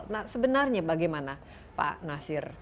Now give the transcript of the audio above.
nah sebenarnya bagaimana pak nasir